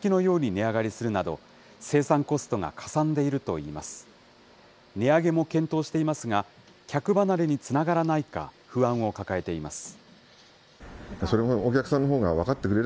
値上げも検討していますが、客離れにつながらないか、不安を抱えています。